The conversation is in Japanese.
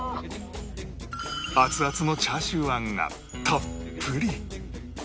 熱々のチャーシュー餡がたっぷり！